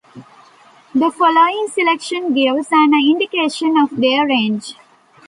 The following selection gives an indication of their range.